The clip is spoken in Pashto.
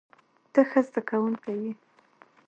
ته ښه زده کوونکی یې.